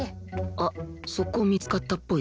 あ速攻見つかったっぽい